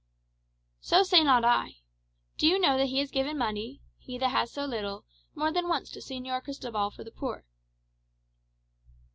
"So say not I. Do you know that he has given money he that has so little more than once to Señor Cristobal for the poor?"